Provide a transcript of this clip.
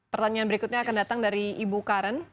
pertanyaan berikutnya akan datang dari ibu karen